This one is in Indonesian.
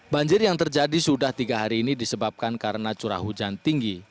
banjir yang terjadi sudah tiga hari ini disebabkan karena curah hujan tinggi